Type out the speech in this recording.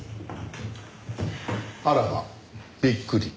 あらまびっくり。